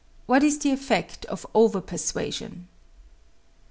What is the effect of over persuasion?